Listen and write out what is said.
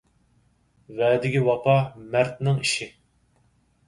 ۋەدىگە ۋاپا – مەردنىڭ ئىشى.